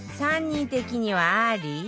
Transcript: ３人的にはあり？